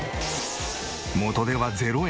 元手は０円！